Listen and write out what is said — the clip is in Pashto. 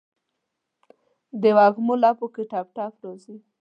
دوږمو لپو کې ټپ، ټپ راځي